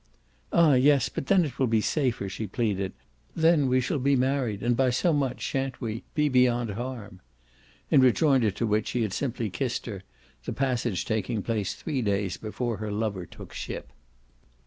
"Ah yes, but then it will be safer," she pleaded; "then we shall be married and by so much, shan't we? be beyond harm." In rejoinder to which he had simply kissed her; the passage taking place three days before her lover took ship.